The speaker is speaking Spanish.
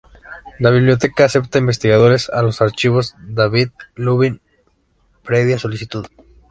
La biblioteca acepta investigadores a los Archivos David Lubin, previa solicitud.